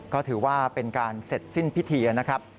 ก็ถือว่าเป็นการเสร็จสิ้นพิธีนะครับ